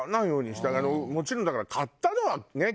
もちろんだから買ったのはね